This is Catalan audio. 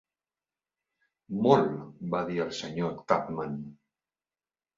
"Molt!" va dir el Sr. Tupman.